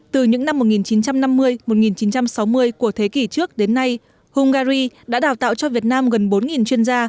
từ những năm một nghìn chín trăm năm mươi một nghìn chín trăm sáu mươi của thế kỷ trước đến nay hungary đã đào tạo cho việt nam gần bốn chuyên gia